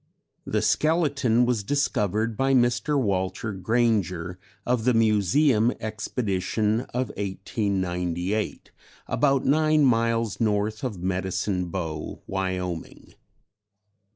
"The skeleton was discovered by Mr. Walter Granger of the Museum expedition of 1898, about nine miles north of Medicine Bow, Wyoming.